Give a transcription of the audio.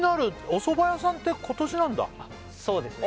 おそば屋さんって今年なんだそうですね